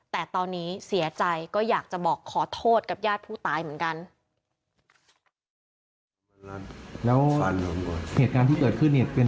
แต่ตอนนี้เสียใจก็อยากจะบอกขอโทษกับญาติผู้ตายเหมือนกัน